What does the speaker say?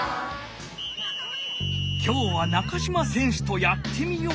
きょうは中島選手と「やってみよう！」